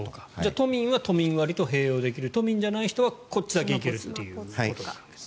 都民は都民割と併用できる都民じゃない人はこっちだけいけると。